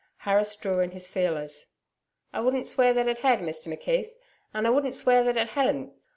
Harris drew in his feelers. 'I wouldn't swear that it had, Mr McKeith, and I wouldn't swear that it hadn't.